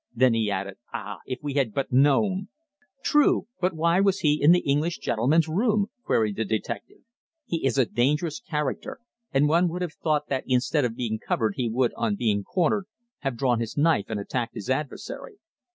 Then he added: "Ah! if we had but known." "True. But why was he in the English gentleman's room?" queried the detective. "He is a dangerous character, and one would have thought that instead of being covered he would, on being cornered, have drawn his knife and attacked his adversary."